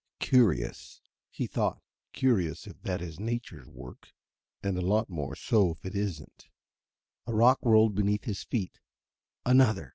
"Curious," he thought; "curious if that is nature's work and a lot more so if it isn't." A rock rolled beneath his feet. Another!